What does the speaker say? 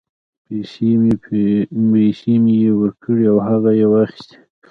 پیسې مې یې ورکړې او هغه یې واخیستې.